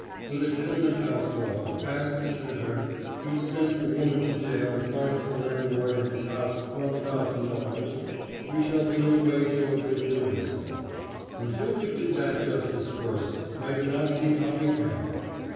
With a tenement house law, passed this winter, which sends the woman to jail and fines the landlord and his house $1000, we shall be in the way shortly of doing so. Until we do that justice first, I do not see how we can.